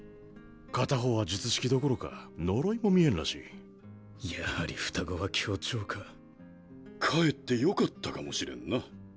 片方は術式どころか呪いも見えんらしいやはり双子は凶兆かかえってよかったかもしれんな。